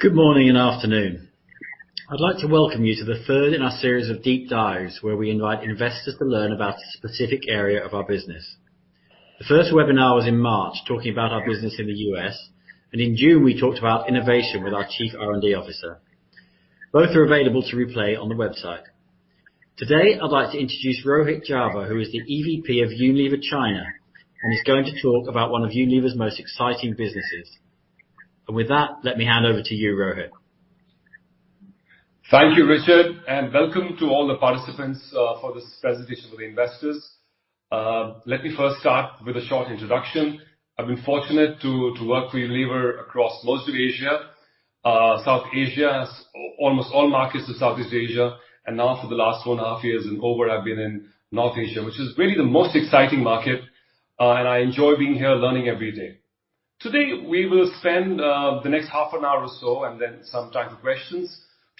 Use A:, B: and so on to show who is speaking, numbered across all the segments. A: Good morning and afternoon. I'd like to welcome you to the third in our series of deep dives, where we invite investors to learn about a specific area of our business. The first webinar was in March, talking about our business in the U.S. In June, we talked about innovation with our chief R&D officer. Both are available to replay on the website. Today, I'd like to introduce Rohit Jawa, who is the EVP of Unilever China and is going to talk about one of Unilever's most exciting businesses. With that, let me hand over to you, Rohit.
B: Thank you, Richard, and welcome to all the participants for this presentation for the investors. Let me first start with a short introduction. I've been fortunate to work for Unilever across most of Asia, South Asia, almost all markets to Southeast Asia, and now for the last four and a half years and over, I've been in North Asia, which is really the most exciting market, and I enjoy being here learning every day. Today, we will spend the next half an hour or so, and then some time for questions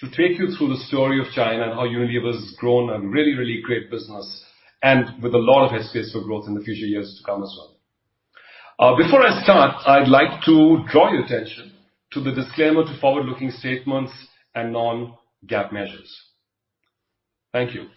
B: to take you through the story of China and how Unilever has grown a really great business and with a lot of head space for growth in the future years to come as well. Before I start, I'd like to draw your attention to the disclaimer to forward-looking statements and non-GAAP measures. Thank you.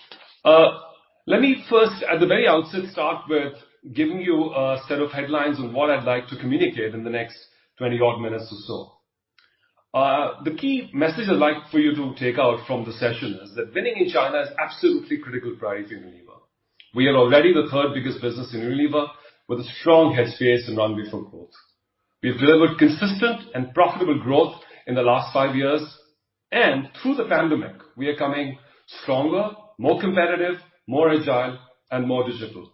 B: Let me first, at the very outset, start with giving you a set of headlines on what I'd like to communicate in the next 20 odd minutes or so. The key message I'd like for you to take out from the session is that winning in China is absolutely critical priority in Unilever. We are already the third biggest business in Unilever with a strong head space and runway for growth. We've delivered consistent and profitable growth in the last five years. Through the pandemic, we are coming stronger, more competitive, more agile, and more digital.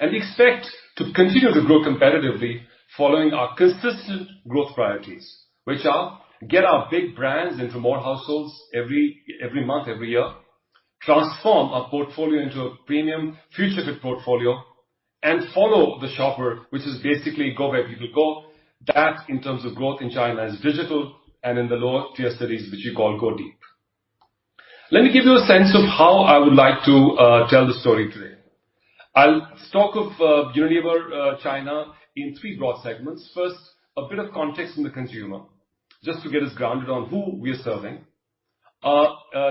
B: We expect to continue to grow competitively following our consistent growth priorities, which are get our big brands into more households every month, every year, transform our portfolio into a premium future fit portfolio, and follow the shopper, which is basically go where people go. That in terms of growth in China is digital and in the lower tier cities, which we call go deep. Let me give you a sense of how I would like to tell the story today. I'll talk of Unilever China in three broad segments. First, a bit of context on the consumer, just to get us grounded on who we are serving.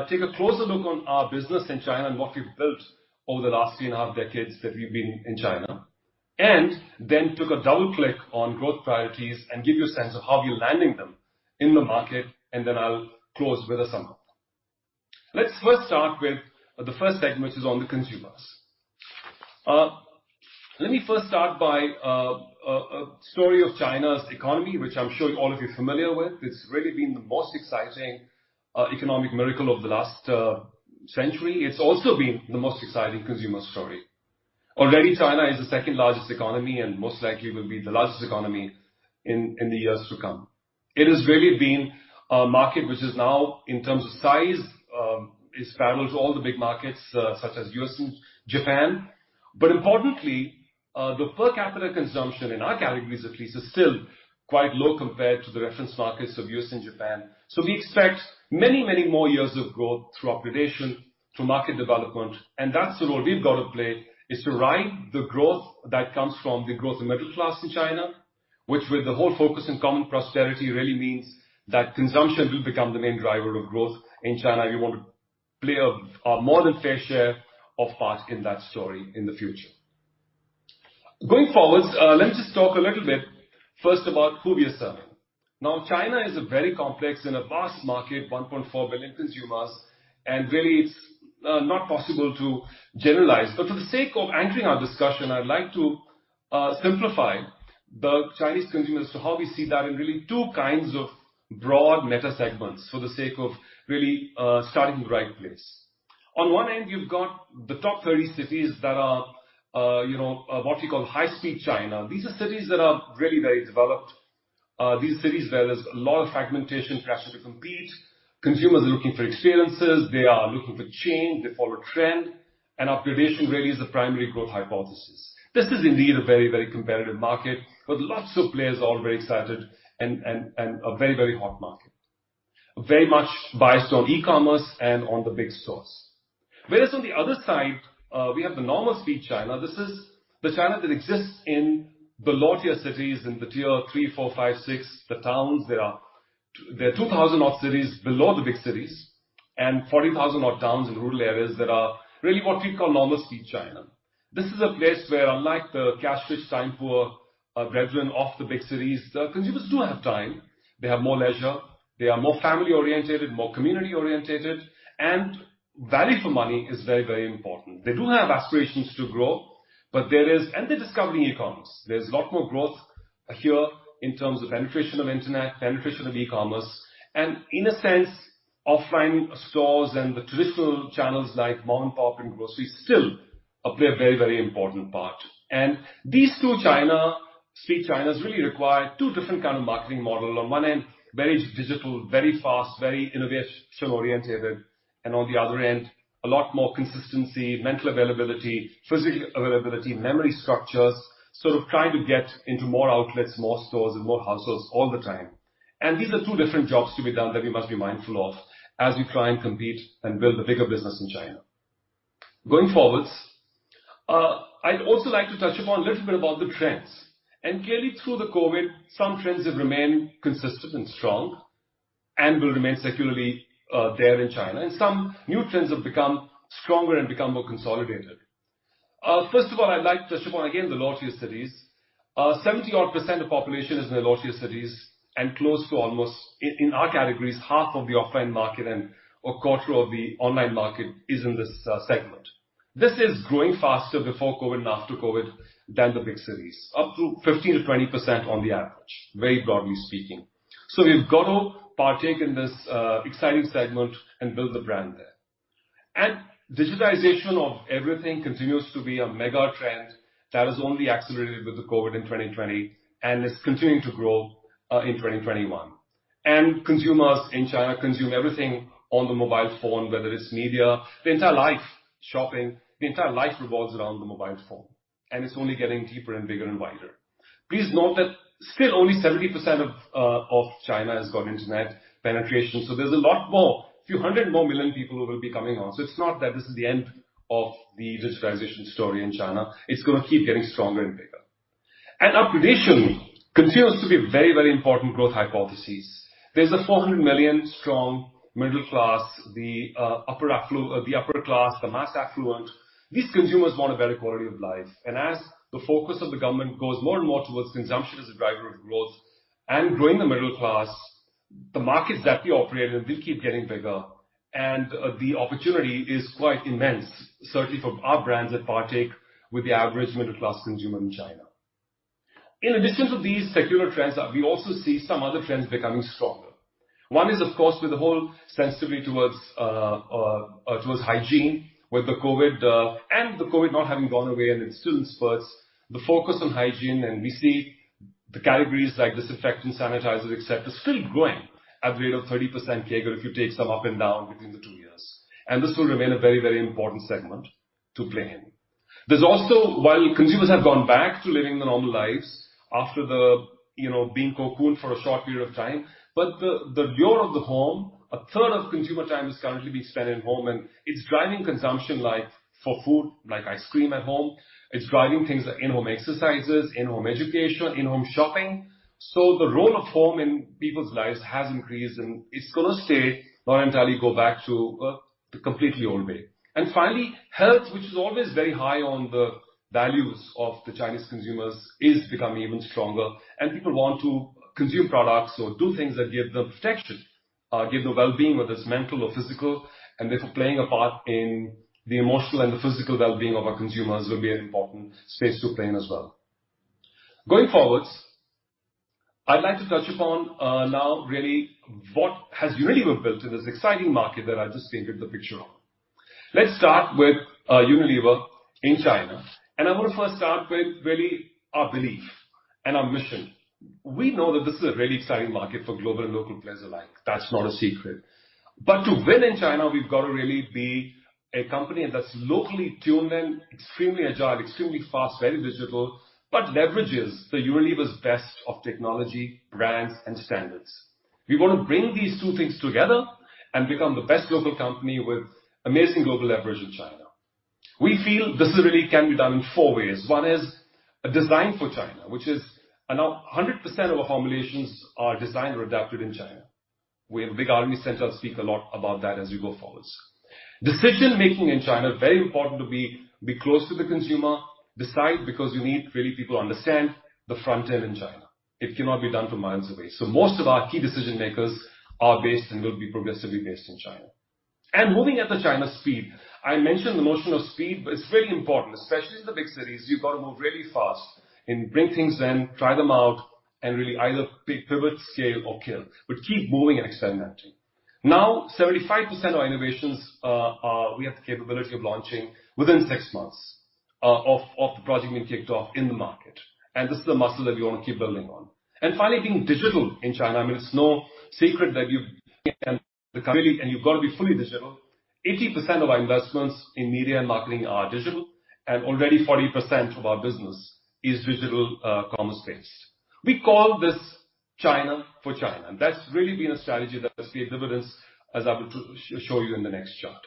B: Take a closer look on our business in China and what we've built over the last three and a half decades that we've been in China, and then took a double click on growth priorities and give you a sense of how we're landing them in the market, and then I'll close with a summary. Let's first start with the first segment is on the consumers. Let me first start by a story of China's economy, which I'm sure all of you are familiar with. It's really been the most exciting economic miracle of the last century. It's also been the most exciting consumer story. Already China is the second largest economy and most likely will be the largest economy in the years to come. It has really been a market which is now, in terms of size, is parallel to all the big markets such as U.S. and Japan. But importantly, the per capita consumption in our categories, at least, is still quite low compared to the reference markets of U.S. and Japan. We expect many more years of growth through population, through market development, and that's the role we've got to play, is to ride the growth that comes from the growth of middle class in China, which with the whole focus in Common Prosperity really means that consumption will become the main driver of growth in China. We want to play a more than fair share of part in that story in the future. Going forward, let me just talk a little bit first about who we are serving. China is a very complex and a vast market, 1.4 billion consumers, and really it's not possible to generalize. For the sake of anchoring our discussion, I'd like to simplify the Chinese consumers to how we see that in really two kinds of broad meta segments for the sake of really starting in the right place. On one end, you've got the top 30 cities that are what we call High Speed China. These are cities that are really very developed. These are cities where there's a lot of fragmentation, pressure to compete. Consumers are looking for experiences, they are looking for change, they follow trend, and upgradation really is the primary growth hypothesis. This is indeed a very competitive market with lots of players all very excited and a very hot market. Very much biased on e-commerce and on the big stores. Whereas on the other side, we have the normal speed China. This is the China that exists in the lower tier cities, in the tier three, four, five, six. The towns, there are 2,000 odd cities below the big cities and 40,000 odd towns in rural areas that are really what we call normal speed China. This is a place where, unlike the cash rich, time poor brethren of the big cities, the consumers do have time, they have more leisure, they are more family oriented, more community oriented, and value for money is very important. They do have aspirations to grow, they're discovering e-commerce. There's a lot more growth here in terms of penetration of internet, penetration of e-commerce, and in a sense, offline stores and the traditional channels like mom and pop and grocery still play a very important part. These two speed Chinas really require two different kind of marketing model. On one end, very digital, very fast, very innovation orientated, and on the other end, a lot more consistency, mental availability, physical availability, memory structures, sort of trying to get into more outlets, more stores, and more households all the time. These are two different jobs to be done that we must be mindful of as we try and compete and build a bigger business in China. Going forwards, I'd also like to touch upon a little bit about the trends. Clearly through the COVID, some trends have remained consistent and strong and will remain secularly there in China, some new trends have become stronger and more consolidated. First of all, I'd like to touch upon, again, the low-tier cities. 70% odd of population is in the low-tier cities and close to almost, in our categories, 1/2 of the offline market and 1/4 of the online market is in this segment. This is growing faster before COVID and after COVID than the big cities, up to 15%-20% on the average, very broadly speaking. We've got to partake in this exciting segment and build the brand there. Digitization of everything continues to be a mega trend that has only accelerated with the COVID in 2020 and is continuing to grow in 2021. Consumers in China consume everything on the mobile phone, whether it's media, their entire life, shopping, the entire life revolves around the mobile phone, and it's only getting deeper and bigger and wider. Please note that still only 70% of China has got internet penetration, so there's a lot more, few hundred more million people who will be coming on. It's not that this is the end of the digitization story in China. It's going to keep getting stronger and bigger. Upgradation continues to be very important growth hypothesis. There's a 400 million strong middle class, the upper class, the mass affluent. These consumers want a better quality of life. As the focus of the government goes more and more towards consumption as a driver of growth and growing the middle class, the markets that we operate in will keep getting bigger and the opportunity is quite immense, certainly for our brands that partake with the average middle class consumer in China. In addition to these secular trends, we also see some other trends becoming stronger. One is, of course, with the whole sensitivity towards hygiene, with the COVID, and the COVID not having gone away and it still spurs the focus on hygiene, and we see the categories like disinfectant, sanitizers, et cetera, still growing at a rate of 30% CAGR if you take some up and down between the two years. This will remain a very important segment to play in. There's also, while consumers have gone back to living their normal lives after the, you know, being cocooned for a short period of time, but the role of the home, a third of consumer time is currently being spent at home, and it's driving consumption like for food, like ice cream at home. It's driving things like in-home exercises, in-home education, in-home shopping. The role of home in people's lives has increased and it's going to stay, not entirely go back to the completely old way. Finally, health, which is always very high on the values of the Chinese consumers, is becoming even stronger. People want to consume products or do things that give them protection, give them wellbeing, whether it's mental or physical, and therefore playing a part in the emotional and the physical wellbeing of our consumers will be an important space to play in as well. Going forwards, I'd like to touch upon now really what has Unilever built in this exciting market that I just painted the picture of. Let's start with Unilever in China. I want to first start with really our belief and our mission. We know that this is a really exciting market for global and local players alike. That's not a secret. To win in China, we've got to really be a company that's locally tuned in, extremely agile, extremely fast, very digital, but leverages the Unilever's best of technology, brands, and standards. We want to bring these two things together and become the best local company with amazing global leverage in China. We feel this really can be done in four ways. One is a design for China, which is now 100% of our formulations are designed or adapted in China. We have a big R&D center. I'll speak a lot about that as we go forwards. Decision making in China, very important to be close to the consumer, decide because you need really people who understand the front end in China. It cannot be done from miles away. Most of our key decision makers are based and will be progressively based in China. Moving at the China speed. I mentioned the motion of speed, but it's very important, especially in the big cities. You've got to move really fast and bring things in, try them out, and really either pivot, scale, or kill. Keep moving and experimenting. Now, 75% of our innovations we have the capability of launching within six months of the project being kicked off in the market. This is the muscle that we want to keep building on. Finally, being digital in China, it's no secret that you've got to be fully digital. 80% of our investments in media and marketing are digital, and already 40% of our business is digital commerce based. We call this China for China, and that's really been a strategy that has gave dividends as I will show you in the next chart.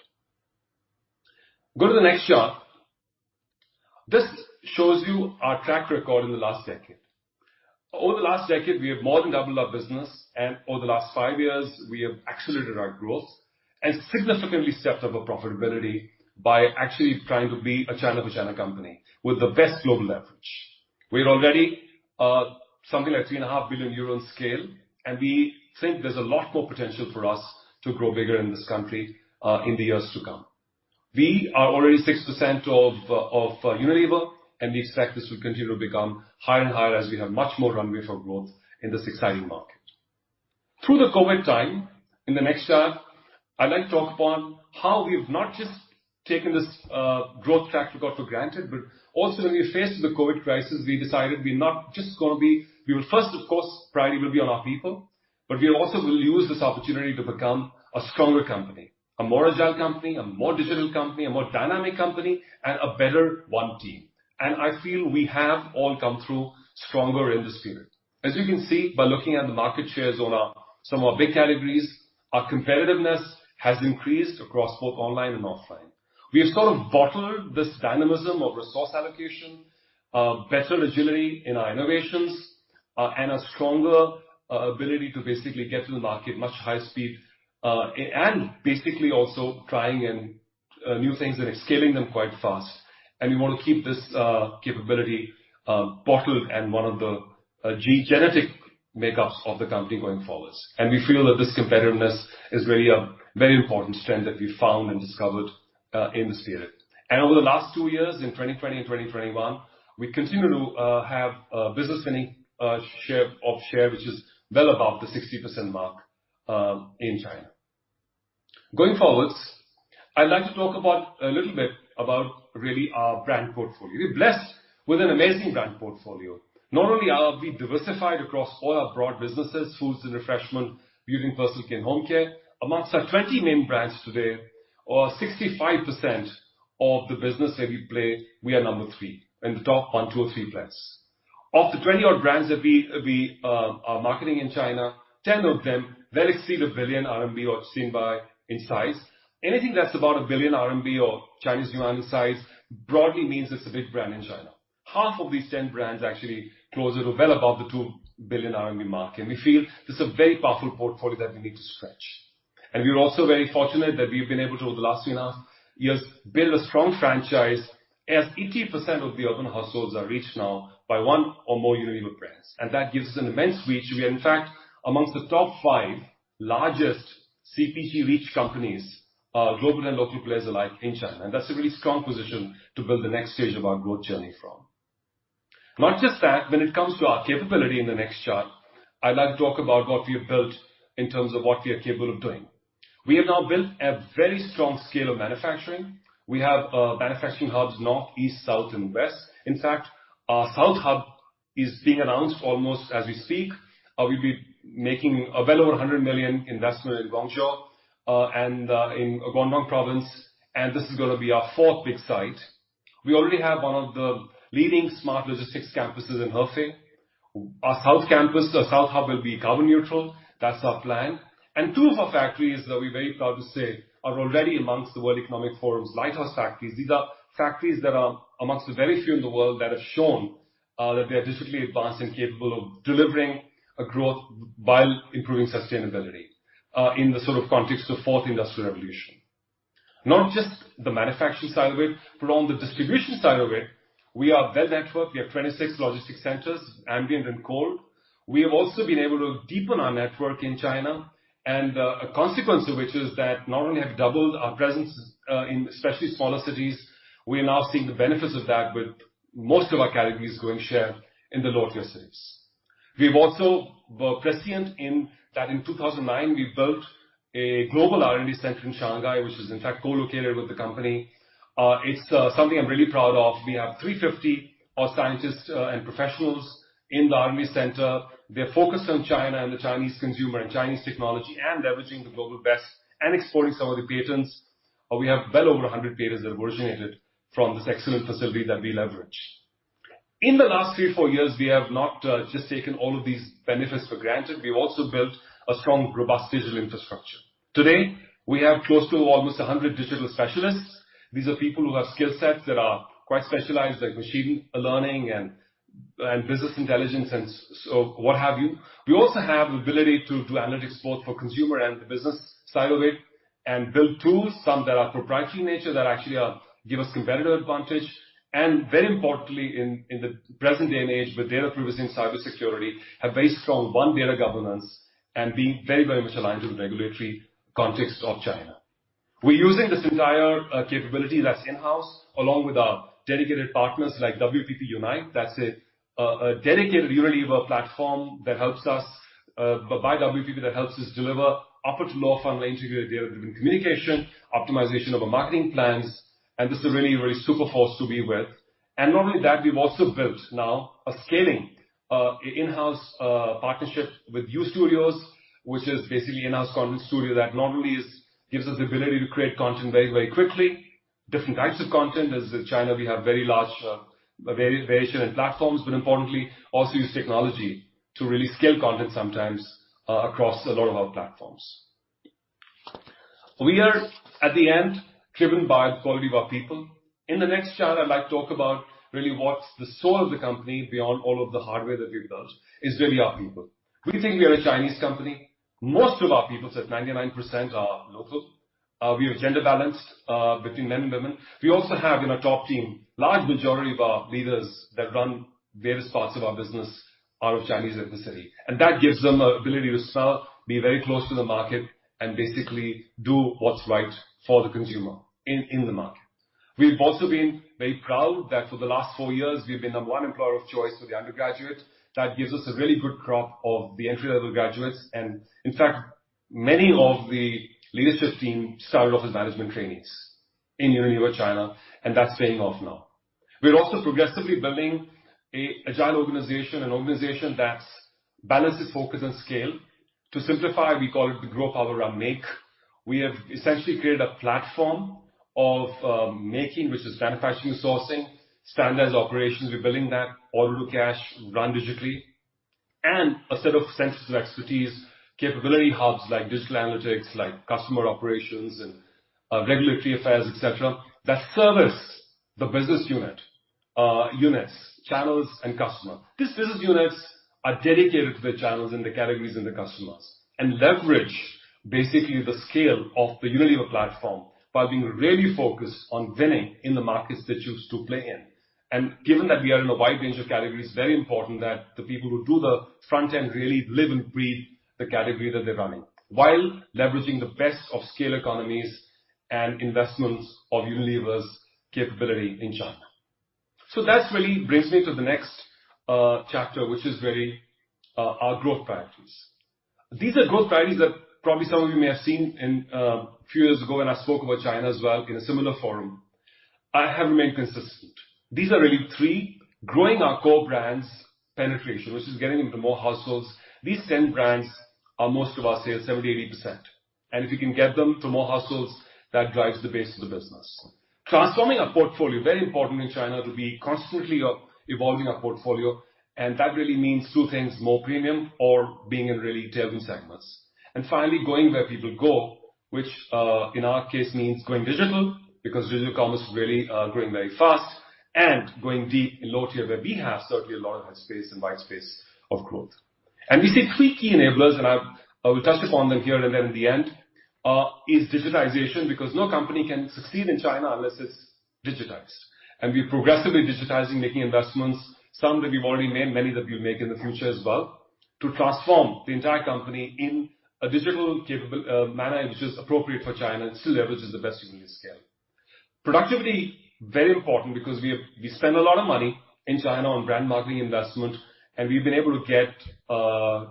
B: Go to the next chart. This shows you our track record in the last decade. Over the last decade, we have more than doubled our business, and over the last five years, we have accelerated our growth and significantly stepped up our profitability by actually trying to be a China for China company with the best global leverage. We're already something like 3.5 billion euro in scale. We think there's a lot more potential for us to grow bigger in this country in the years to come. We are already 6% of Unilever. We expect this will continue to become higher and higher as we have much more runway for growth in this exciting market. Through the COVID time, in the next chart, I'd like to talk upon how we've not just taken this growth track record for granted. Also when we faced the COVID crisis, we decided We will first, of course, priority will be on our people. We also will use this opportunity to become a stronger company, a more agile company, a more digital company, a more dynamic company, and a better one team. I feel we have all come through stronger in this period. As you can see by looking at the market shares on some of our big categories, our competitiveness has increased across both online and offline. We have sort of bottled this dynamism of resource allocation, better agility in our innovations, and a stronger ability to basically get to the market much high speed, and basically also trying new things and scaling them quite fast. We want to keep this capability bottled and one of the genetic makeups of the company going forwards. We feel that this competitiveness is a very important strength that we found and discovered in this period. Over the last two years, in 2020 and 2021, we continue to have business winning of share, which is well above the 60% mark in China. Going forwards, I'd like to talk a little bit about really our brand portfolio. We are blessed with an amazing brand portfolio. Not only are we diversified across all our broad businesses, foods and refreshment, beauty, personal and home care. Amongst our 20 main brands today, or 65% of the business that we play, we are number three. In the top one, two, or three place. Of the 20 odd brands that we are marketing in China, 10 of them well exceed 1 billion RMB or seen by in size. Anything that's about 1 billion RMB or CNY 1 billion in size broadly means it's a big brand in China. Half of these 10 brands actually closer to well above the 2 billion RMB mark, and we feel this is a very powerful portfolio that we need to stretch. We are also very fortunate that we've been able to, over the last few years, build a strong franchise, as 80% of the urban households are reached now by one or more Unilever brands. That gives us an immense reach. We are, in fact, amongst the top five largest CPG reach companies, global and local players alike in China. That's a really strong position to build the next stage of our growth journey from. Not just that, when it comes to our capability in the next chart, I'd like to talk about what we have built in terms of what we are capable of doing. We have now built a very strong scale of manufacturing. We have manufacturing hubs north, east, south, and west. In fact, our south hub is being announced almost as we speak. We'll be making a well over 100 million investment in Guangzhou and in Guangdong Province. This is going to be our fourth big site. We already have one of the leading smart logistics campuses in Hefei. Our south campus, our south hub will be carbon neutral. That's our plan. Two of our factories that we're very proud to say are already amongst the World Economic Forum's Lighthouse factories. These are factories that are amongst the very few in the world that have shown that they are digitally advanced and capable of delivering a growth while improving sustainability, in the sort of context of Fourth Industrial Revolution. Not just the manufacturing side of it, but on the distribution side of it, we are well networked. We have 26 logistic centers, ambient and cold. We have also been able to deepen our network in China. A consequence of which is that not only have doubled our presence in especially smaller cities, we are now seeing the benefits of that with most of our categories growing share in the lower-tier cities. We've also were prescient in that in 2009, we built a global R&D center in Shanghai, which is in fact co-located with the company. It's something I'm really proud of. We have 350-odd scientists and professionals in the R&D center. They're focused on China and the Chinese consumer and Chinese technology, leveraging the global best and exploring some of the patents. We have well over 100 patents that originated from this excellent facility that we leverage. In the last three years, four years, we have not just taken all of these benefits for granted. We've also built a strong, robust digital infrastructure. Today, we have close to almost 100 digital specialists. These are people who have skill sets that are quite specialized, like machine learning and business intelligence and what have you. We also have the ability to do analytics both for consumer and the business side of it, and build tools, some that are proprietary in nature, that actually give us competitive advantage. Very importantly, in the present day and age with data privacy and cybersecurity, have very strong one, data governance, and being very, very much aligned to the regulatory context of China. We're using this entire capability that's in-house, along with our dedicated partners like WPP Unite. That's a dedicated Unilever platform by WPP that helps us deliver upper to lower funnel integrated data-driven communication, optimization of our marketing plans. This is a really super force to be with. Not only that, we've also built now a scaling in-house partnership with U-Studio, which is basically in-house content studio that not only gives us the ability to create content very quickly, different types of content, as in China we have very large variation in platforms, but importantly also use technology to really scale content sometimes across a lot of our platforms. We are at the end driven by the quality of our people. In the next chart, I'd like to talk about really what's the soul of the company beyond all of the hardware that we've built, is really our people. We think we are a Chinese company. Most of our people, say 99%, are local. We are gender balanced between men and women. We also have in our top team, large majority of our leaders that run various parts of our business are of Chinese ethnicity, that gives them an ability to serve, be very close to the market and basically do what's right for the consumer in the market. We've also been very proud that for the last four years, we've been number one employer of choice for the undergraduate. That gives us a really good crop of the entry level graduates. In fact, many of the leadership team started off as management trainees in Unilever China, and that's paying off now. We're also progressively building an agile organization, an organization that balances focus and scale. To simplify, we call it the Grow, Power, Run Make. We have essentially created a platform of making, which is manufacturing and sourcing, standardized operations, we're building that order to cash run digitally, and a set of centers of expertise, capability hubs like digital analytics, like customer operations and regulatory affairs, et cetera, that service the business units, channels, and customer. These business units are dedicated to their channels and the categories and the customers, and leverage basically the scale of the Unilever platform by being really focused on winning in the markets they choose to play in. Given that we are in a wide range of categories, very important that the people who do the front end really live and breathe the category that they're running, while leveraging the best of scale economies and investments of Unilever's capability in China. That really brings me to the next chapter, which is really our growth priorities. These are growth priorities that probably some of you may have seen a few years ago when I spoke about China as well in a similar forum. I have remained consistent. These are really three growing our core brands penetration, which is getting into more households. These 10 brands are most of our sales, 70%-80%. If you can get them to more households, that drives the base of the business. Transforming our portfolio, very important in China to be constantly evolving our portfolio, and that really means two things: more premium or being in really tailwind segments. Finally, going where people go, which in our case means going digital, because digital commerce really growing very fast and going deep in low tier where we have certainly a lot of headspace and wide space of growth. We see three key enablers, and I will touch upon them here and then in the end, is digitization because no company can succeed in China unless it's digitized. We're progressively digitizing, making investments, some that we've already made, many that we'll make in the future as well, to transform the entire company in a digital capable manner, which is appropriate for China and still leverages the best Unilever scale. Productivity, very important because we spend a lot of money in China on Brand and Marketing Investment, and we've been able to get a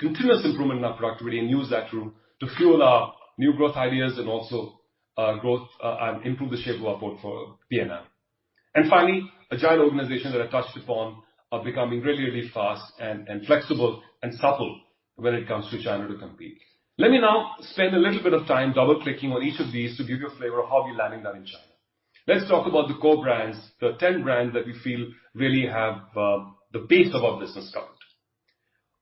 B: continuous improvement in our productivity and use that to fuel our new growth ideas and also improve the shape of our portfolio P&L. Finally, agile organization that I touched upon of becoming really, really fast and flexible and supple when it comes to China to compete. Let me now spend a little bit of time double-clicking on each of these to give you a flavor of how we're landing that in China. Let's talk about the core brands, the 10 brands that we feel really have the base of our business covered.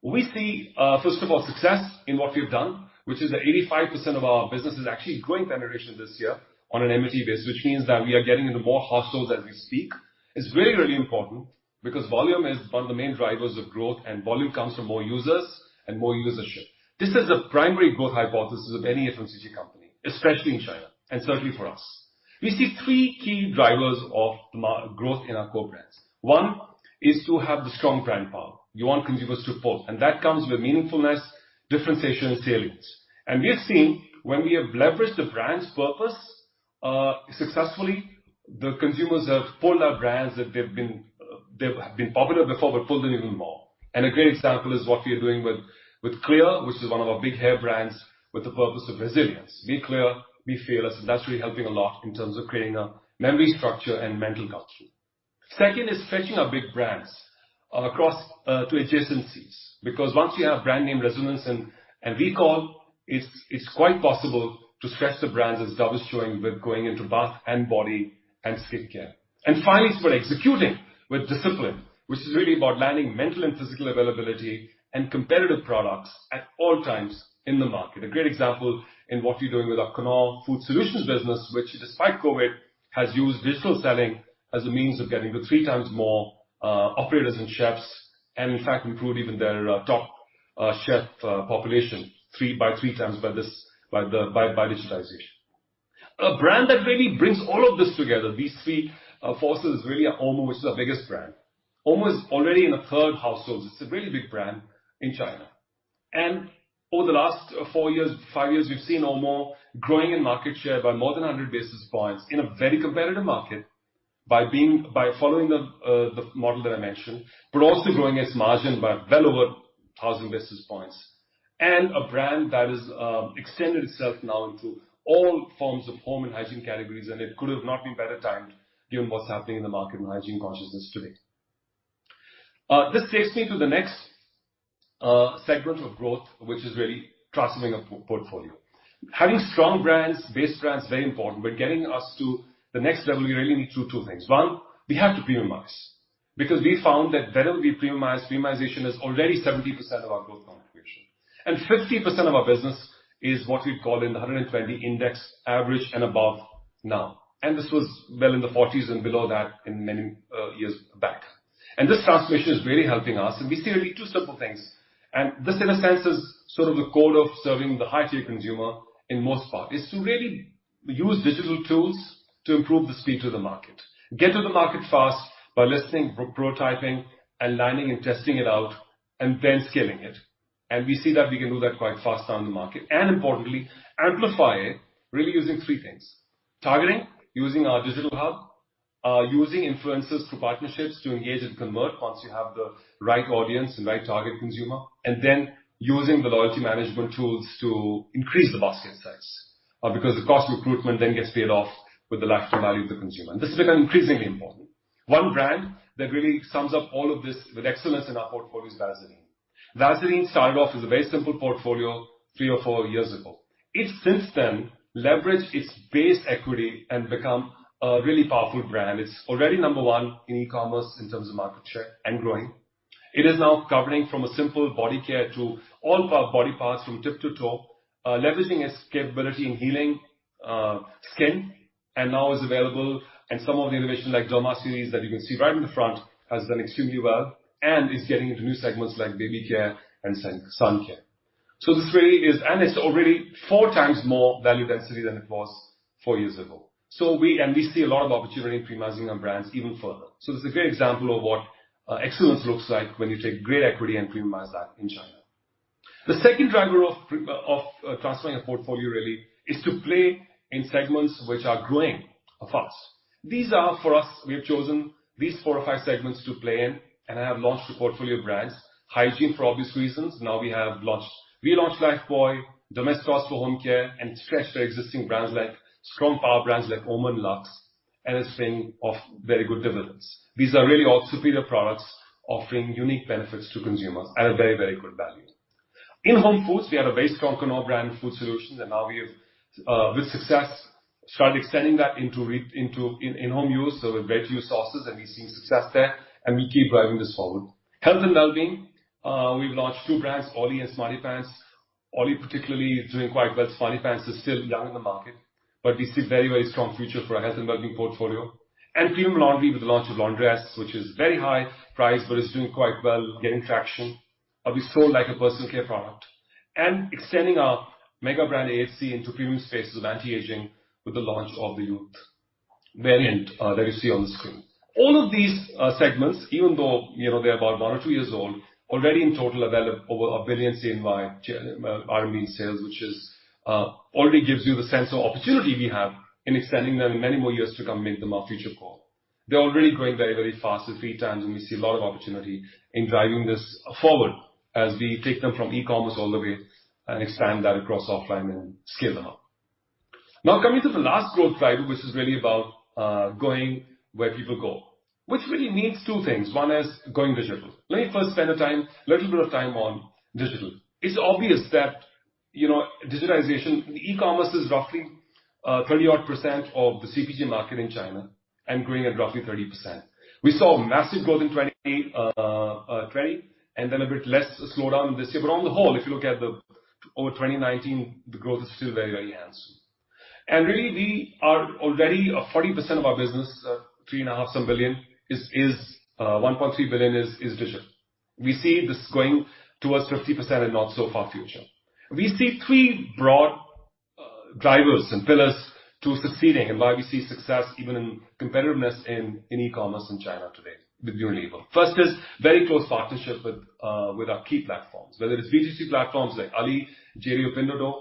B: We see, first of all, success in what we've done, which is that 85% of our business is actually growing penetration this year on an M&A basis, which means that we are getting into more households as we speak. It's really, really important because volume is one of the main drivers of growth and volume comes from more users and more usership. This is the primary growth hypothesis of any FMCG company, especially in China, and certainly for us. We see three key drivers of growth in our core brands. One is to have the strong brand power. You want consumers to pull, and that comes with meaningfulness, differentiation, and salience. We have seen when we have leveraged the brand's purpose successfully, the consumers have pulled our brands that they've been popular before, but pulled them even more. A great example is what we are doing with Clear, which is one of our big hair brands with the purpose of resilience. Be clear, be fearless. That's really helping a lot in terms of creating a memory structure and mental culture. Second is stretching our big brands across to adjacencies because once you have brand name resonance and recall it's quite possible to stretch the brands as Dove is showing with going into bath and body and skincare. Finally, we're executing with discipline, which is really about landing mental and physical availability and competitive products at all times in the market. A great example in what we're doing with our Knorr food solutions business, which despite COVID, has used digital selling as a means of getting to three times more operators and chefs and in fact improved even their top chef population by three times by digitization. A brand that really brings all of this together, these three forces really are Omo, which is our biggest brand. Omo is already in a third household. It's a really big brand in China. Over the last four years, five years, we've seen Omo growing in market share by more than 100 basis points in a very competitive market by following the model that I mentioned, but also growing its margin by well over 1,000 basis points. A brand that has extended itself now into all forms of home and hygiene categories and it could have not been better timed given what's happening in the market in hygiene consciousness today. This takes me to the next segment of growth, which is really transforming our portfolio. Having strong base brands is very important but getting us to the next level, we really need to do two things. One, we have to premiumize because we found that wherever we premiumize, premiumization is already 70% of our growth contribution. 50% of our business is what we'd call in the 120 index average and above now. This was well in the 40s and below that in many years back. This transformation is really helping us and we see really two simple things. This in a sense is sort of the core of serving the high tier consumer in most part, is to really use digital tools to improve the speed to the market, get to the market fast by listening, prototyping, aligning and testing it out, and then scaling it. We see that we can do that quite fast now in the market. Importantly, amplify it really using three things: targeting using our digital hub, using influencers through partnerships to engage and convert once you have the right audience and right target consumer, and then using the loyalty management tools to increase the basket size because the cost of recruitment then gets paid off with the lifetime value of the consumer and this has become increasingly important. One brand that really sums up all of this with excellence in our portfolio is Vaseline. Vaseline started off as a very simple portfolio three years or four years ago. It's since then leveraged its base equity and become a really powerful brand. It's already number one in e-commerce in terms of market share and growing. It is now covering from a simple body care to all body parts from tip to toe, leveraging its capability in healing skin, and now is available and some of the innovation like Dove DermaSeries that you can see right in the front has done extremely well and is getting into new segments like baby care and sun care. It's already four times more value density than it was four years ago. It's a great example of what excellence looks like when you take great equity and premiumize that in China. The second driver of transforming a portfolio really is to play in segments which are growing fast. These are for us, we have chosen these four or five segments to play in, and have launched a portfolio of brands. Hygiene for obvious reasons. We have relaunched Lifebuoy, Domestos for home care, and stretched our existing brands like strong power brands like Omo and Lux, and it's paying off very good dividends. These are really all superior products offering unique benefits to consumers at a very, very good value. In home foods, we had a very strong Knorr brand food solution, and now we have, with success, started extending that into in-home use. With vegetable use sauces, and we're seeing success there, and we keep driving this forward. Health and wellbeing, we've launched two brands, OLLY and SmartyPants. OLLY particularly is doing quite well. SmartyPants is still young in the market, but we see very strong future for our health and wellbeing portfolio. Premium laundry with the launch of Laundress, which is very high price but is doing quite well, getting traction, and we sold like a personal care product. Extending our mega brand AHC into premium spaces of anti-aging with the launch of the Youth variant that you see on the screen. All of these segments, even though they're about one year or two years old, already in total have added over EUR 1 billion in R&D sales, which already gives you the sense of opportunity we have in extending them in many more years to come, make them our future core. They're already growing very, very fast at three times, and we see a lot of opportunity in driving this forward as we take them from e-commerce all the way and expand that across offline and scale them up. Coming to the last growth driver, which is really about going where people go, which really means two things. One is going digital. Let me first spend a little bit of time on digital. It's obvious that digitization, e-commerce is roughly 30 odd % of the CPG market in China and growing at roughly 30%. We saw massive growth in 2020, and then a bit less of a slowdown this year. On the whole, if you look at over 2019, the growth is still very, very handsome. Really we are already at 40% of our business, 3.5 some billion, 1.3 billion is digital. We see this going towards 50% in not so far future. We see three broad drivers and pillars to succeeding and why we see success even in competitiveness in e-commerce in China today with Unilever. First is very close partnerships with our key platforms. Whether it's B2C platforms like Ali, JD or Pinduoduo,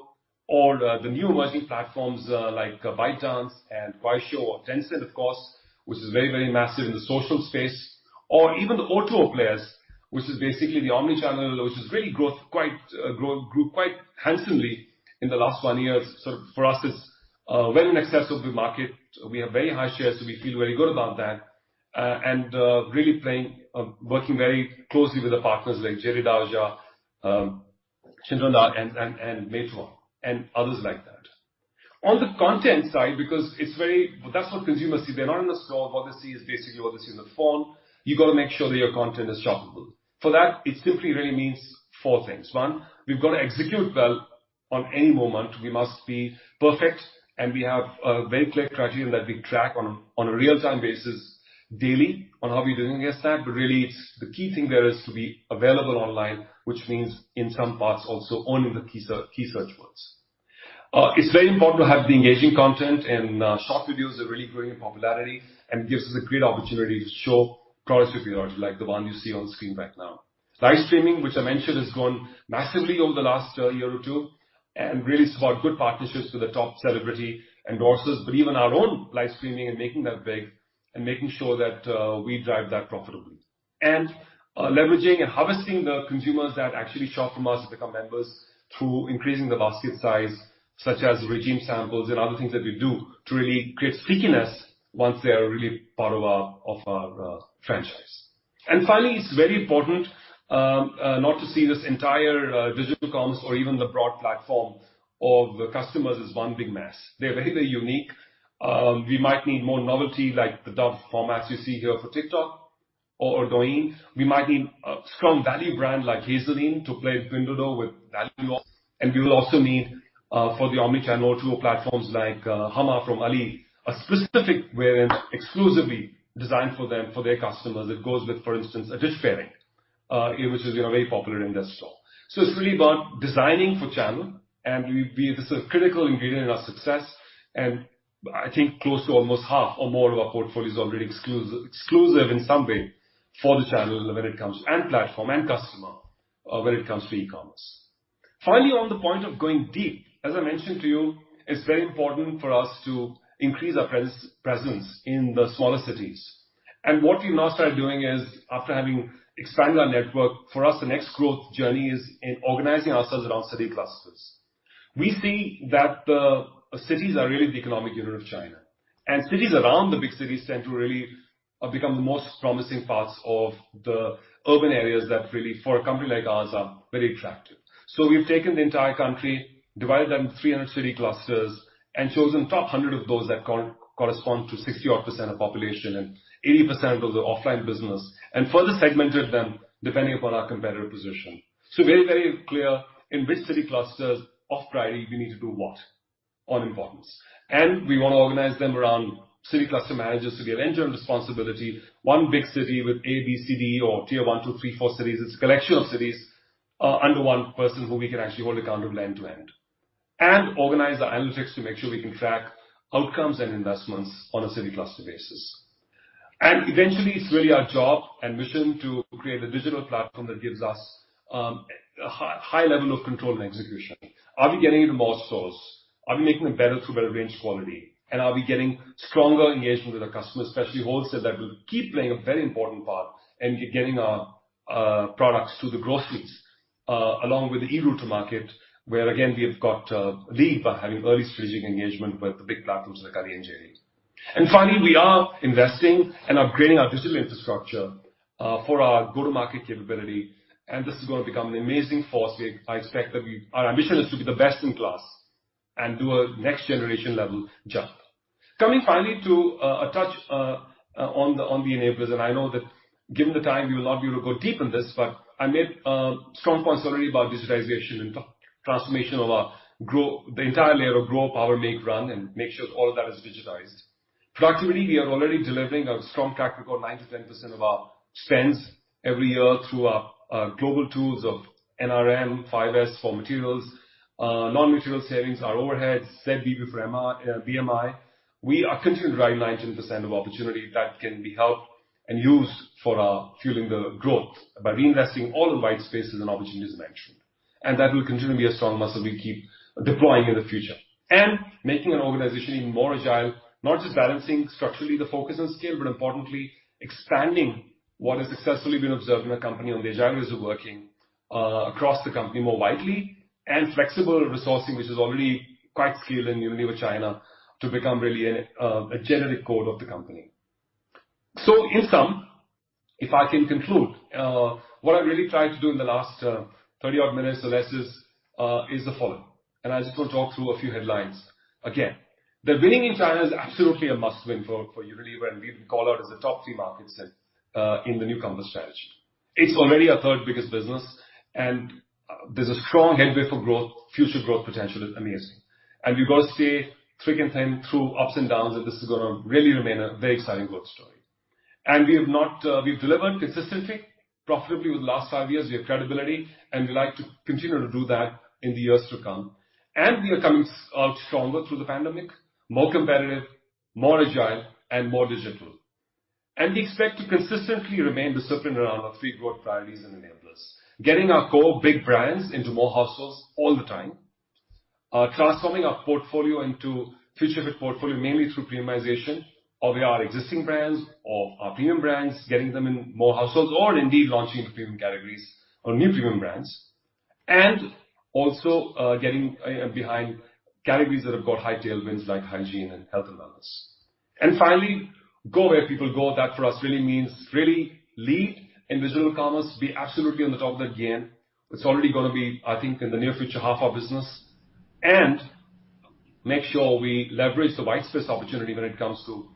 B: or the new emerging platforms like ByteDance and Kuaishou or Tencent, of course, which is very, very massive in the social space, or even the O2O players, which is basically the omni-channel, which has really grew quite handsomely in the last one year. For us, it's well in excess of the market. We have very high shares, so we feel very good about that. Really working very closely with the partners like JD Daojia, Shenghua, and Meituan, and others like that. On the content side, because that's what consumers see. They're not in the store. What they see is basically what they see in the phone. You got to make sure that your content is shoppable. For that, it simply really means four things. One, we've got to execute well on any moment. We must be perfect. We have a very clear criteria that we track on a real-time basis daily on how we are doing against that. Really the key thing there is to be available online, which means in some parts also owning the key search words. It's very important to have the engaging content. Short videos are really growing in popularity and gives us a great opportunity to show products with technology like the one you see on screen right now. Live streaming, which I mentioned, has grown massively over the last year or two years and really support good partnerships with the top celebrity endorsers, but even our own live streaming and making that big and making sure that we drive that profitably. Leveraging and harvesting the consumers that actually shop from us to become members through increasing the basket size, such as regime samples and other things that we do to really create stickiness once they are really part of our franchise. Finally, it's very important not to see this entire digital comms or even the broad platform of the customers as one big mess. They are very, very unique. We might need more novelty like the Dove formats you see here for TikTok or Douyin. We might need a strong value brand like Hazeline to play in Pinduoduo with value offers. We will also need for the omni-channel O2O platforms like Hema from Ali, a specific variant exclusively designed for them, for their customers that goes with, for instance, a dish pairing, which is very popular in their store. It is really about designing for channel, and this is a critical ingredient in our success. I think close to almost half or more of our portfolio is already exclusive in some way for the channel when it comes and platform and customer when it comes to e-commerce. Finally, on the point of going deep, as I mentioned to you, it's very important for us to increase our presence in the smaller cities. What we've now started doing is, after having expanded our network, for us, the next growth journey is in organizing ourselves around city clusters. We see that the cities are really the economic unit of China, and cities around the big cities tend to really become the most promising parts of the urban areas that really, for a company like ours, are very attractive. We've taken the entire country, divided them into 300 city clusters, and chosen top 100 of those that correspond to 60% of population and 80% of the offline business, and further segmented them depending upon our competitive position. Very clear in which city clusters of priority we need to do what on importance. We want to organize them around city cluster managers to give end-to-end responsibility. One big city with A, B, C, D, or tier I, II, III, IV cities is a collection of cities under one person who we can actually hold accountable end to end and organize the analytics to make sure we can track outcomes and investments on a city cluster basis. Eventually, it's really our job and mission to create a digital platform that gives us a high level of control and execution. Are we getting into more stores? Are we making them better through better range quality? Are we getting stronger engagement with our customers, especially wholesale that will keep playing a very important part in getting our products to the groceries along with the e-route to market, where again, we have got a lead by having early strategic engagement with the big platforms like Alibaba and JD.com. Finally, we are investing and upgrading our digital infrastructure for our go-to-market capability, and this is going to become an amazing force. Our ambition is to be the best in class and do a next generation level jump. Coming finally to a touch on the enablers. I know that given the time, we would love you to go deep in this. I made strong points already about digitization and transformation of the entire layer of Grow, Power, Run Make, and make sure all of that is digitized. Productivity, we are already delivering a strong track record, 9%-10% of our spends every year through our global tools of NRM, 5S for materials, non-material savings, our overhead, ZBB for BMI. We are continuing to drive 9%-10% of opportunity that can be helped and used for our fueling the growth by reinvesting all the white spaces and opportunities mentioned. That will continue to be a strong muscle we keep deploying in the future. Making an organization even more agile, not just balancing structurally the focus on scale, but importantly, expanding what has successfully been observed in the company on the agility of working across the company more widely and flexible resourcing, which is already quite scaled in Unilever China to become really a generic code of the company. In sum, if I can conclude, what I really tried to do in the last 30 odd minutes or less is the following, and I just want to talk through a few headlines again. Winning in China is absolutely a must-win for Unilever, we call out as a top three market set in the New Compass strategy. It's already our third biggest business, there's a strong headway for growth, future growth potential is amazing. We got to stay thick and thin through ups and downs, this is going to really remain a very exciting growth story. We've delivered consistently, profitably with last five years, we have credibility, we like to continue to do that in the years to come. We are coming out stronger through the pandemic, more competitive, more agile, and more digital. We expect to consistently remain disciplined around our three broad priorities and enablers. Getting our core big brands into more households all the time, transforming our portfolio into future fit portfolio, mainly through premiumization of our existing brands, of our premium brands, getting them in more households, or indeed, launching into premium categories or new premium brands. Also getting behind categories that have got high tailwinds like hygiene and health and wellness. Finally, go where people go. That for us really means really lead in digital commerce, be absolutely on the top of that game. It's already going to be, I think, in the near future, half our business, and make sure we leverage the white space opportunity when it comes to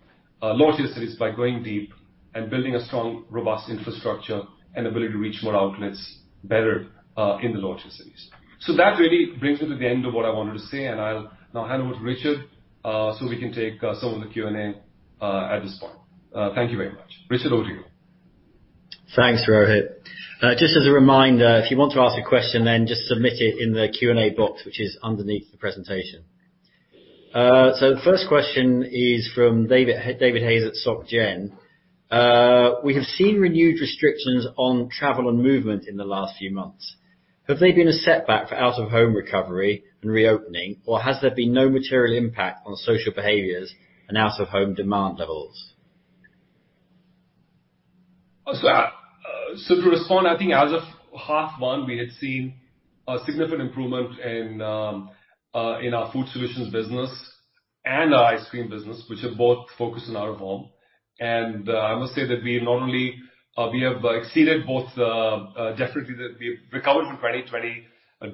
B: low tier cities by going deep and building a strong, robust infrastructure and ability to reach more outlets better in the low tier cities. That really brings me to the end of what I wanted to say, and I will now hand over to Richard so we can take some of the Q&A at this point. Thank you very much. Richard, over to you.
A: Thanks, Rohit. Just as a reminder, if you want to ask a question then just submit it in the Q&A box, which is underneath the presentation. The first question is from David Hayes at Société Générale. We have seen renewed restrictions on travel and movement in the last few months. Have they been a setback for out of home recovery and reopening, or has there been no material impact on social behaviors and out of home demand levels?
B: To respond, I think as of half one, we had seen a significant improvement in our food solutions business and our ice cream business, which are both focused in out of home. I must say that we not only have exceeded both, definitely that we've recovered from 2020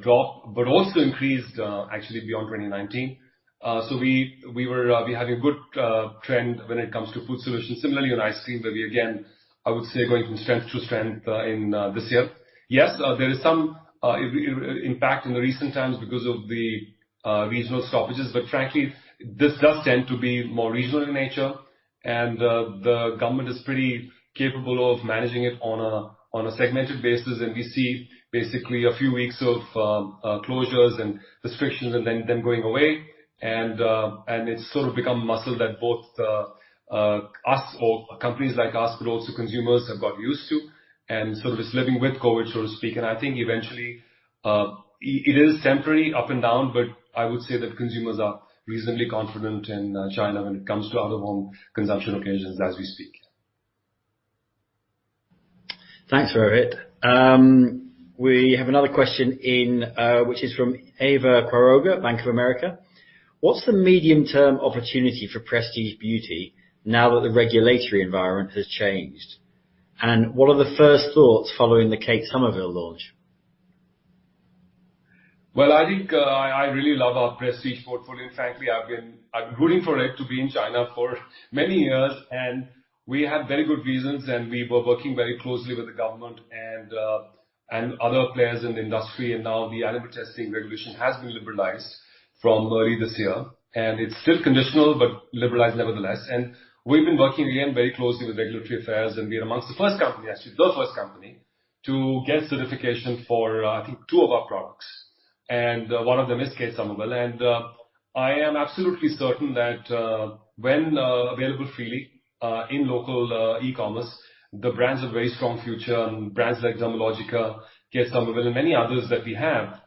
B: drop, but also increased actually beyond 2019. We're having good trend when it comes to food solutions. Similarly on ice cream, where we again, I would say going from strength to strength in this year. There is some impact in the recent times because of the regional stoppages, but frankly, this does tend to be more regional in nature, and the government is pretty capable of managing it on a segmented basis, and we see basically a few weeks of closures and restrictions and then them going away. It's sort of become muscle that both us or companies like us, but also consumers have got used to and sort of just living with COVID, so to speak. I think eventually, it is temporary up and down, but I would say that consumers are reasonably confident in China when it comes to out of home consumption occasions as we speak
A: Thanks, Rohit. We have another question, which is from Eva Quiroga at Bank of America. What's the medium-term opportunity for prestige beauty now that the regulatory environment has changed? What are the first thoughts following the Kate Somerville launch?
B: Well, I think I really love our prestige portfolio. Frankly, I've been rooting for it to be in China for many years. We have very good reasons. We were working very closely with the government and other players in the industry. Now the animal testing regulation has been liberalized from early this year, and it's still conditional, but liberalized nevertheless. We've been working again, very closely with regulatory affairs, and we are amongst the first company, actually the first company, to get certification for, I think, two of our products. One of them is Kate Somerville. I am absolutely certain that when available freely, in local e-commerce, the brands have very strong future and brands like Dermalogica, Kate Somerville, and many others that we have.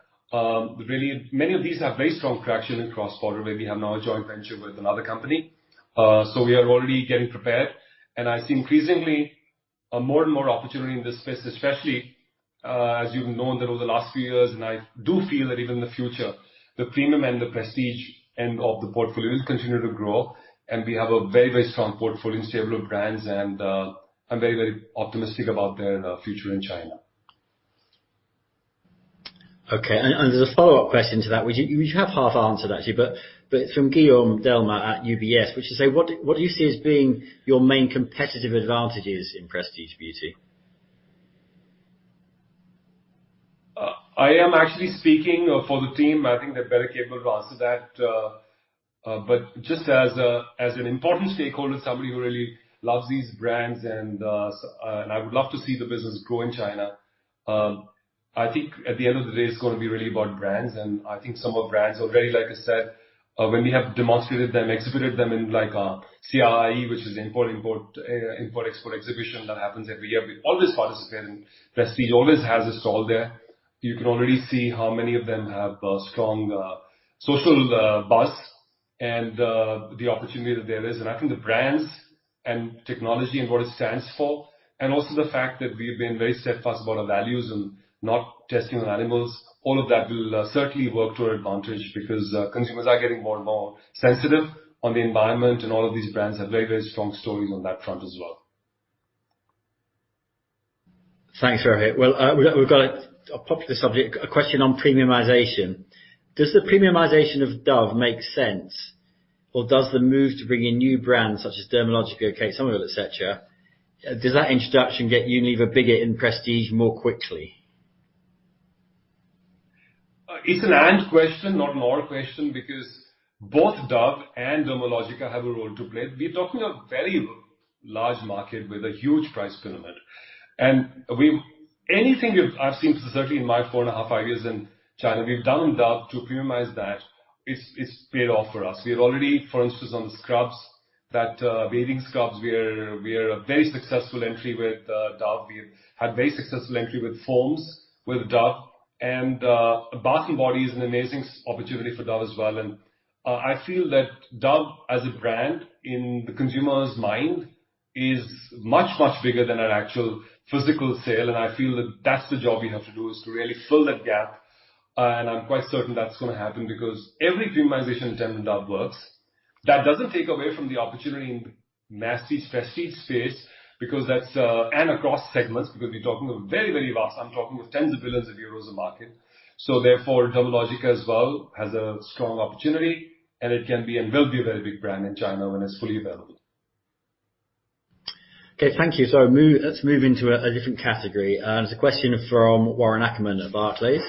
B: Many of these have very strong traction in cross-border, where we have now a joint venture with another company. We are already getting prepared, and I see increasingly more and more opportunity in this space, especially, as you've known that over the last few years, and I do feel that even in the future, the premium and the prestige end of the portfolio will continue to grow. We have a very strong portfolio and stable of brands and I'm very optimistic about their future in China.
A: Okay. There's a follow-up question to that, which you have half answered, actually, from Guillaume Delmas at UBS, which is what do you see as being your main competitive advantages in prestige beauty?
B: I am actually speaking for the team. I think they're better capable to answer that. Just as an important stakeholder, somebody who really loves these brands and I would love to see the business grow in China. I think at the end of the day, it's going to be really about brands, and I think some of our brands already, like I said, when we have demonstrated them, exhibited them in a CIIE, which is import, export exhibition, that happens every year. We always participate. Prestige always has a stall there. You can already see how many of them have a strong social buzz and the opportunity that there is. I think the brands and technology and what it stands for, and also the fact that we've been very steadfast about our values and not testing on animals, all of that will certainly work to our advantage because consumers are getting more and more sensitive on the environment and all of these brands have very strong stories on that front as well.
A: Thanks, Rohit. Well, we've got a popular subject, a question on premiumization. Does the premiumization of Dove make sense, or does the move to bring in new brands such as Dermalogica, Kate Somerville, et cetera, get Unilever bigger in prestige more quickly?
B: It's an and question, not an or question, because both Dove and Dermalogica have a role to play. We're talking a very large market with a huge price pyramid. Anything I've seen, certainly in my 4.5 years, five years in China, we've done on Dove to premiumize that, it's paid off for us. We've already, for instance, on scrubs, that bathing scrubs, we are a very successful entry with Dove. We've had very successful entry with foams with Dove and Bath & Body is an amazing opportunity for Dove as well. I feel that Dove as a brand in the consumer's mind is much, much bigger than an actual physical sale, and I feel that that's the job we have to do, is to really fill that gap. I'm quite certain that's going to happen because every premiumization attempt in Dove works. That doesn't take away from the opportunity in prestige space because that's. Across segments, because we're talking of very vast, I'm talking of tens of billions of EUR a market. Therefore, Dermalogica as well has a strong opportunity, and it can be and will be a very big brand in China when it's fully available.
A: Okay, thank you. Let's move into a different category. There's a question from Warren Ackerman at Barclays.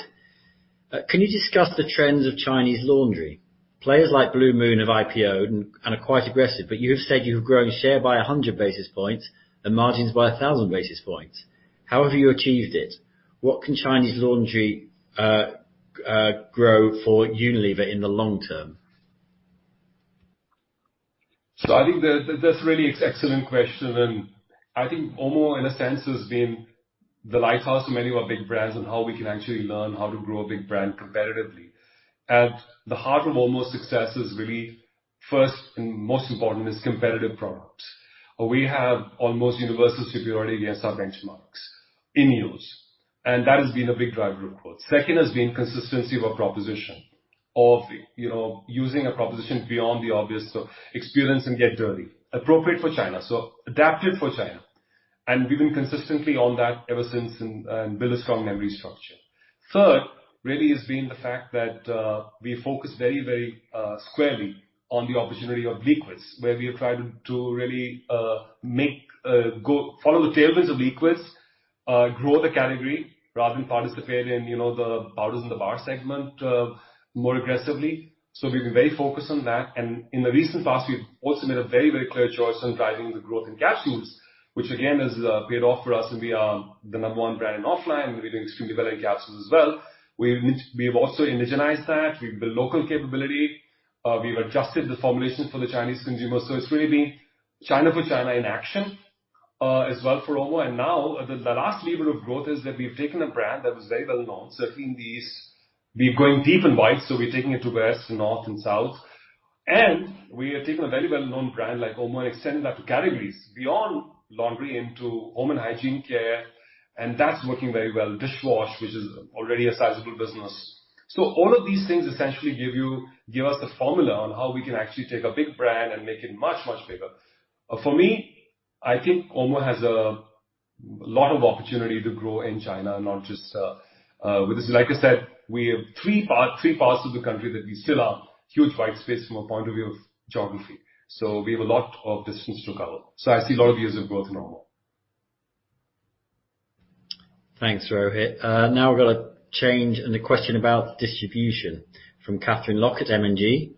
A: Can you discuss the trends of Chinese laundry? Players like Blue Moon have IPO'd and are quite aggressive, but you have said you have grown share by 100 basis points and margins by 1,000 basis points. How have you achieved it? What can Chinese laundry grow for Unilever in the long term?
B: I think that's really an excellent question, and I think Omo, in a sense, has been the lighthouse for many of our big brands on how we can actually learn how to grow a big brand competitively. At the heart of Omo's success is really first and most important is competitive products. We have almost universal superiority against our benchmarks in use, and that has been a big driver of growth. Second has been consistency of our proposition of, you know, using a proposition beyond the obvious, so experience and get dirty. Appropriate for China, so adapted for China, and we've been consistently on that ever since and built a strong memory structure. Third, really has been the fact that, we focus very squarely on the opportunity of liquids, where we have tried to really follow the tailwinds of liquids, grow the category rather than participate in the powders in the bar segment more aggressively. We've been very focused on that. In the recent past, we've also made a very clear choice on driving the growth in capsules, which again, has paid off for us, and we are the number one brand in offline. We've been extremely developing capsules as well. We've also indigenized that. We've built local capability. We've adjusted the formulation for the Chinese consumer. It's really been China for China in action as well for Omo. Now the last lever of growth is that we've taken a brand that was very well known, certainly in the East. We're going deep and wide, we're taking it to West, North, and South. We have taken a very well-known brand like Omo and extended that to categories beyond laundry into home and hygiene care, and that's working very well. Dish wash, which is already a sizable business. All of these things essentially give us the formula on how we can actually take a big brand and make it much, much bigger. For me, I think Omo has a lot of opportunity to grow in China, not just with this. Like I said, we have three parts of the country that we still are huge white space from a point of view of geography. We have a lot of distance to cover. I see a lot of years of growth in Omo.
A: Thanks, Rohit. Now we're going to change and a question about distribution from Catherine Lock at M&G.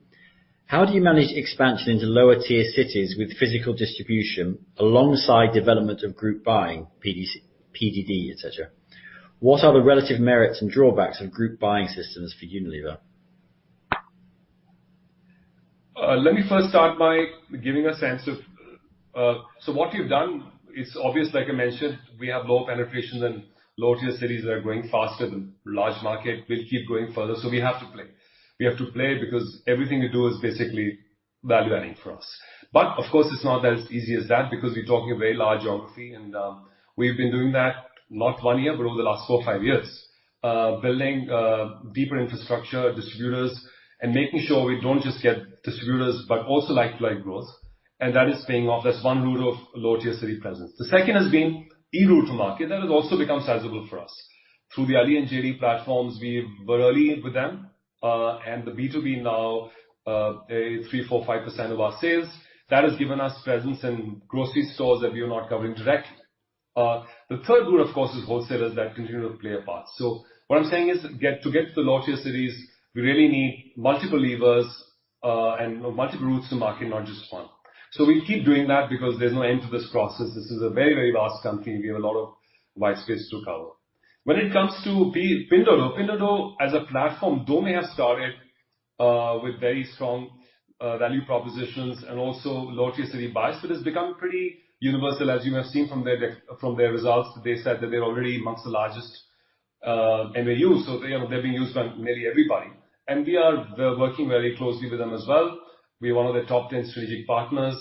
A: How do you manage expansion into lower tier cities with physical distribution alongside development of group buying, PDD, et cetera? What are the relative merits and drawbacks of group buying systems for Unilever?
B: Let me first start by giving a sense of. What we've done, it's obvious, like I mentioned, we have low penetration and lower tier cities that are growing faster than large market will keep growing further, so we have to play. We have to play because everything we do is basically value adding for us. Of course, it's not as easy as that because we're talking a very large geography and we've been doing that not one year, but over the last four years or five years, building deeper infrastructure, distributors and making sure we don't just get distributors, but also like growth. That is paying off. That's one route of lower tier city presence. The second has been e-route to market. That has also become sizable for us. Through the Alibaba and JD.com platforms, we were early with them, and the B2B now, 3%, 4%, 5% of our sales. That has given us presence in grocery stores that we are not covering direct. The third route, of course, is wholesalers that continue to play a part. What I'm saying is to get to the lower tier cities, we really need multiple levers and multiple routes to market, not just one. We keep doing that because there's no end to this process. This is a very, very vast country, and we have a lot of white space to cover. When it comes to Pinduoduo as a platform, though may have started with very strong value propositions and also lower tier city bias, it has become pretty universal, as you have seen from their results. They said that they're already amongst the largest MAU, they're being used by nearly everybody. We are working very closely with them as well. We're one of their top 10 strategic partners.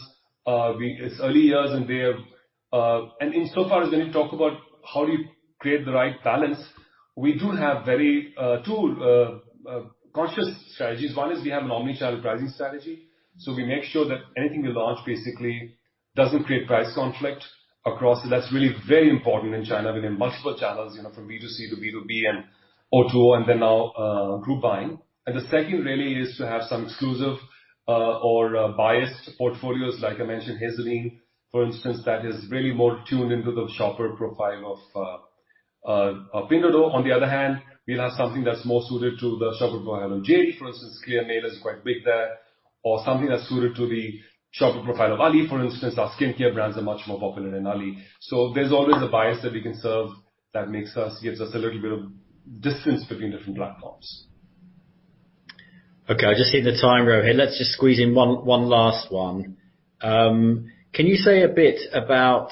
B: It's early years. Insofar as when you talk about how do you create the right balance, we do have two conscious strategies. One is we have an omnichannel pricing strategy, we make sure that anything we launch basically doesn't create price conflict across. That's really very important in China within multiple channels, from B2C to B2B, O2O, now group buying. The second really is to have some exclusive or biased portfolios, like I mentioned, Eucerin, for instance, that is really more tuned into the shopper profile of Pinduoduo. On the other hand, we'll have something that's more suited to the shopper profile of JD.com. For instance, Clear Men is quite big there or something that's suited to the shopper profile of Alibaba. For instance, our skincare brands are much more popular in Alibaba. There's always a bias that we can serve that gives us a little bit of distance between different platforms.
A: Okay, I just see the time, Rohit. Let's just squeeze in one last one. Can you say a bit about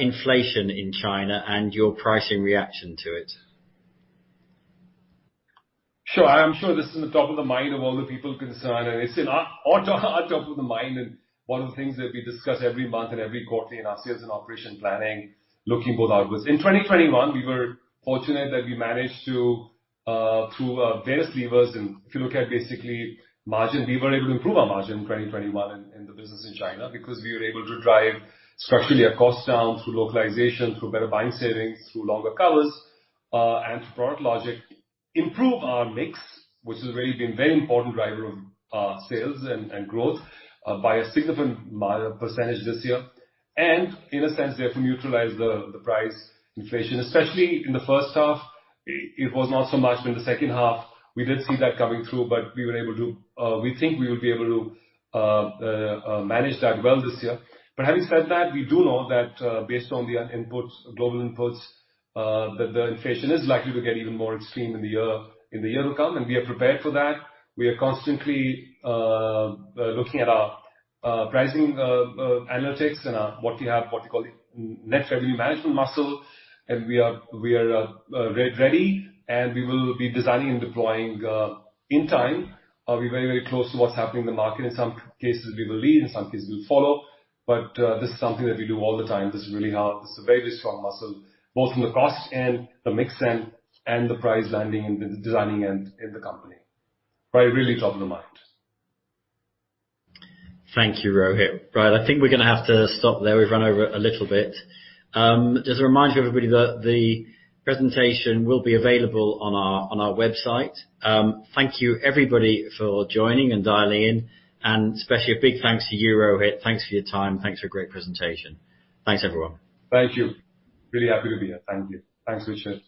A: inflation in China and your pricing reaction to it?
B: Sure. I'm sure this is the top of the mind of all the people concerned, and it's in our top of the mind and one of the things that we discuss every month and every quarterly in our sales and operation planning, looking both outwards. In 2021, we were fortunate that we managed to, through various levers, and if you look at basically margin, we were able to improve our margin in 2021 in the business in China, because we were able to drive structurally our cost down through localization, through better buying savings, through longer covers, and through product logic, improve our mix, which has really been very important driver of sales and growth by a significant % this year. In a sense, therefore, neutralize the price inflation, especially in the first half, it was not so much in the second half. We did see that coming through, but we think we will be able to manage that well this year. Having said that, we do know that based on the global inputs, that the inflation is likely to get even more extreme in the year to come, and we are prepared for that. We are constantly looking at our pricing analytics and what you call the net revenue management muscle, and we are ready, and we will be designing and deploying in time. We're very close to what's happening in the market. In some cases, we will lead, in some cases, we'll follow. This is something that we do all the time. This is really hard. It's a very strong muscle, both from the cost and the mix and the price landing and the designing end in the company. Really top of the mind.
A: Thank you, Rohit. Right, I think we're going to have to stop there. We've run over a little bit. Just a reminder to everybody that the presentation will be available on our website. Thank you everybody for joining and dialing in, and especially a big thanks to you, Rohit. Thanks for your time. Thanks for a great presentation. Thanks, everyone.
B: Thank you. Really happy to be here. Thank you. Thanks, Richard.